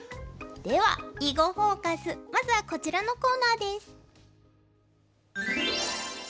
では「囲碁フォーカス」まずはこちらのコーナーです。